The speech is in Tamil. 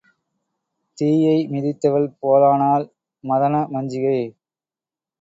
தீயை மிதித்தவள் போலானாள் மதனமஞ்சிகை.